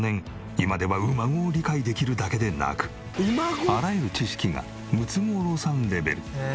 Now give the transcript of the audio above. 今では馬語を理解できるだけでなくあらゆる知識がムツゴロウさんレベル。